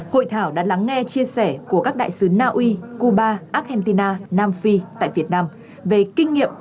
hội thảo đã lắng nghe chia sẻ của các đại sứ naui cuba argentina nam phi tại việt nam về kinh nghiệm